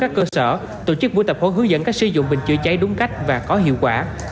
các cơ sở tổ chức buổi tập huấn hướng dẫn cách sử dụng bình chữa cháy đúng cách và có hiệu quả